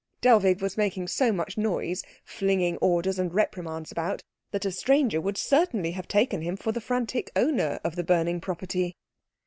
Dellwig was making so much noise flinging orders and reprimands about, that a stranger would certainly have taken him for the frantic owner of the burning property.